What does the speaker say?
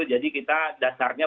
jadi kita dah setuju